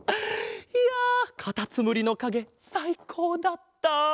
いやカタツムリのかげさいこうだった。